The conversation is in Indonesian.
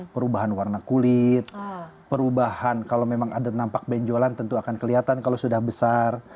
perubahan warna kulit perubahan kalau memang ada nampak benjolan tentu akan kelihatan kalau sudah besar